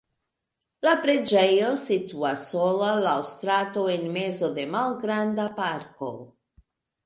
La preĝejo situas sola laŭ strato en mezo de malgranda parko.